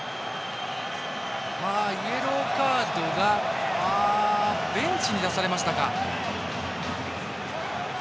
イエローカードがベンチに出されましたか。